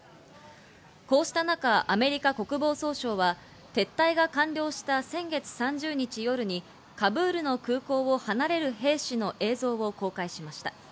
こうした中、アメリカ国防総省は撤退が完了した先月３０日夜にカブールの空港を離れる兵士の映像を公開しました。